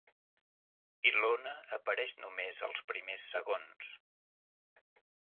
Ilona apareix només als primers segons.